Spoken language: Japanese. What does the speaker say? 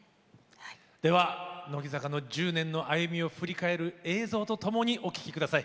では、乃木坂の１０年の歩みを振り返る映像とともにお聴きください。